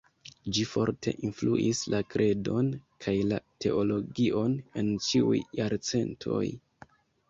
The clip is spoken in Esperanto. Ĝi forte influis la kredon kaj la teologion en ĉiuj jarcentoj.